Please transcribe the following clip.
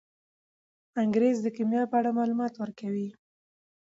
انګریز د کیمیا په اړه معلومات ورکوي.